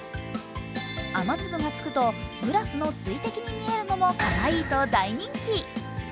雨粒がつくとグラスの水滴に見えるのもかわいいと大人気。